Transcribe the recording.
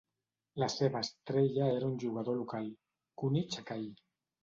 La seva estrella era un jugador local, Cooney Checkeye.